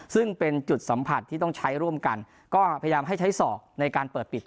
ซึ่งเป็นจุดสัมผัสที่ต้องใช้ร่วมกันก็พยายามให้ใช้ศอกในการเปิดปิด